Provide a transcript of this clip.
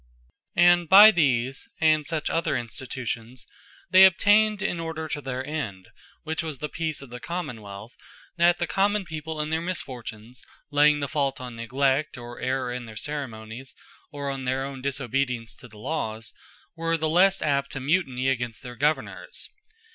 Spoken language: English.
And by these, and such other Institutions, they obtayned in order to their end, (which was the peace of the Commonwealth,) that the common people in their misfortunes, laying the fault on neglect, or errour in their Ceremonies, or on their own disobedience to the lawes, were the lesse apt to mutiny against their Governors.